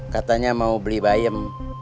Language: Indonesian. katanya mau beli bayam